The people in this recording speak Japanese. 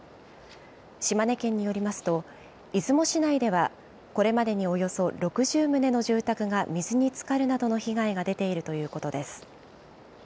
島根県によりますと、出雲市内では、これまでにおよそ６０棟の住宅が水につかるなどの被害が出ているということです。